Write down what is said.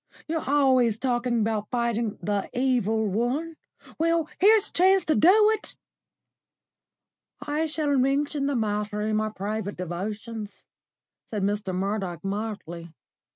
You're always talking about fighting the Evil One. Well, here's a chance to do it." "I shall mention the matter in my private devotions," said Mr. Murdoch mildly.